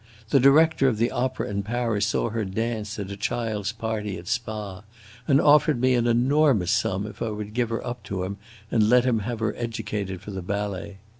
The director of the opera in Paris saw her dance at a child's party at Spa, and offered me an enormous sum if I would give her up to him and let him have her educated for the ballet.